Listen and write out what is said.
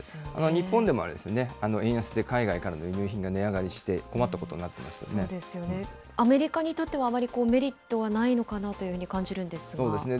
日本でもあれですよね、円安で海外からの輸入品が値上がりして、そうですよね、アメリカにとってはあまりメリットはないのかなというふうに感じるんですが。